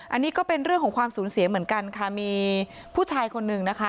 อันนี้ก็เป็นเรื่องของความสูญเสียเหมือนกันค่ะมีผู้ชายคนหนึ่งนะคะ